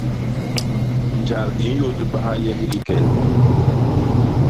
Njal i nyôdbaha nye hikii kel.